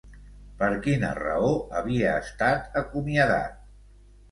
Per quina raó havia estat acomiadat?